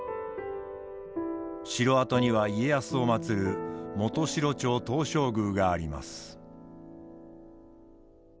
城跡には家康を祭る元城町東照宮があります。